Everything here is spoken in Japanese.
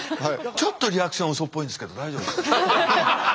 ちょっとリアクションうそっぽいんですけど大丈夫？